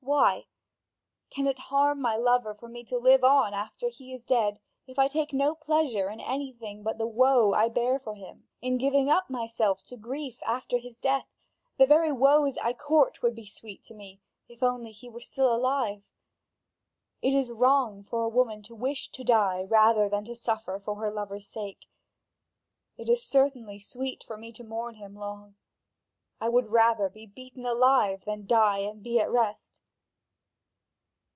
Why? Can it harm my lover for me to live on after he is dead, if I take no pleasure in anything but in the woe I bear for him? In giving myself up to grief after his death, the very woes I court would be sweet to me, if he were only still alive. It is wrong for a woman to wish to die rather than to suffer for her lover's sake. It is certainly sweet for me to mourn him long. I would rather be beaten alive than die and be at rest."